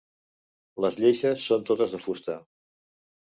Les lleixes són totes de fusta.